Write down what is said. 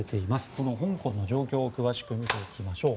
その香港の状況を詳しく見ていきましょう。